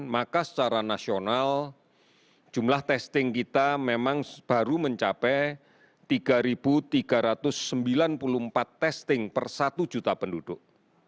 maka secara nasional jumlah testing kita memang baru mencapai tiga tiga ratus sembilan puluh empat testing per satu juta penduduk